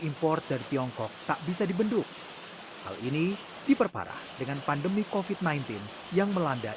import dari tiongkok tak bisa dibendung hal ini diperparah dengan pandemi kofit sembilan belas yang melanda